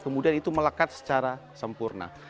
kemudian itu melekat secara sempurna